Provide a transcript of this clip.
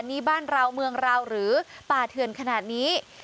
นี่บ้านเราเมืองเราหรือป่าเถื่อนขนาดนี้